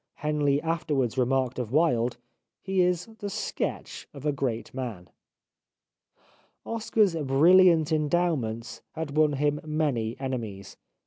Henley afterwards remarked of Wilde :" He is the sketch of a great man." Oscar's brilliant endowments had won him many enemies.